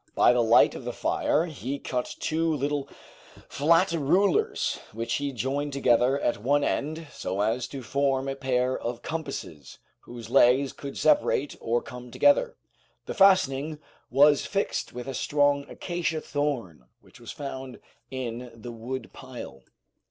By the light of the fire he cut two little flat rulers, which he joined together at one end so as to form a pair of compasses, whose legs could separate or come together. The fastening was fixed with a strong acacia thorn which was found in the wood pile.